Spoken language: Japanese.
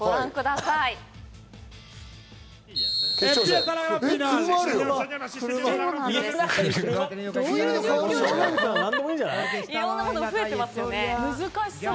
いろんなものが増えていますね。